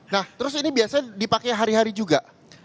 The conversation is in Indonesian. nah terus ini biasanya dipakai hari hari juga